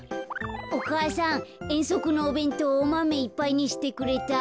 お母さんえんそくのおべんとうおマメいっぱいにしてくれた？